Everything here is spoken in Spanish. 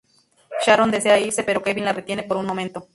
Sharon desea irse pero Kevin la retiene por un momento.